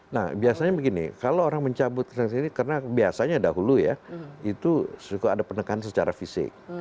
nah biasanya begini kalau orang mencabut krisis ini karena biasanya dahulu ya itu ada penekanan secara fisik